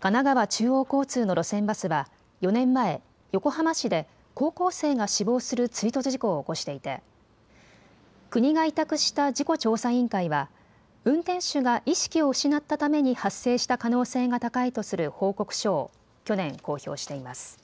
神奈川中央交通の路線バスは４年前、横浜市で高校生が死亡する追突事故を起こしていて国が委託した事故調査委員会は運転手が意識を失ったために発生した可能性が高いとする報告書を去年、公表しています。